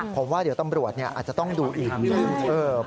ผมว่าเดี๋ยวตำรวจอาจจะต้องดูอีก